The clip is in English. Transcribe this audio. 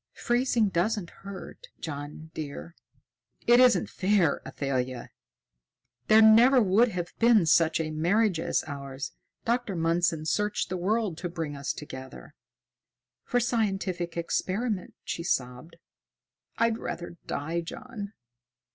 "Freezing doesn't hurt, John, dear." "It isn't fair, Athalia! There never would have been such a marriage as ours. Dr. Mundson searched the world to bring us together." "For scientific experiment!" she sobbed. "I'd rather die, John.